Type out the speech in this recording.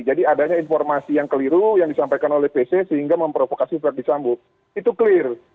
jadi adanya informasi yang keliru yang disampaikan oleh pc sehingga memprovokasi flag di sambut itu clear